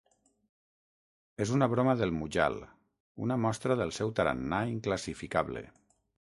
És una broma del Mujal, una mostra del seu tarannà inclassificable.